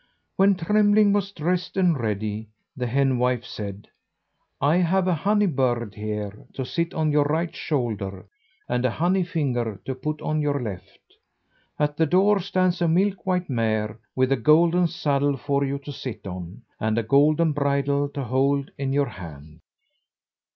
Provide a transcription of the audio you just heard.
When Trembling was dressed and ready, the henwife said: "I have a honey bird here to sit on your right shoulder, and a honey finger to put on your left. At the door stands a milk white mare, with a golden saddle for you to sit on, and a golden bridle to hold in your hand."